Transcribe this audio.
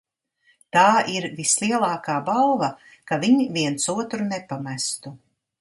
Tā ir vislielākā balva, ka viņi viens otru nepamestu.